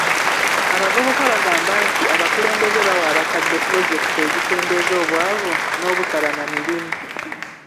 Abavubuka bagamba nti abakulembeze bawa abakadde pulojekiti ezikendeeza obwavu n'obutaba na mirimu.